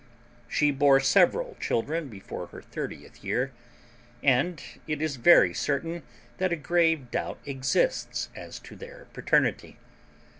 She bore several children before her thirtieth year, and it is very certain that a grave doubt exists as to their paternity.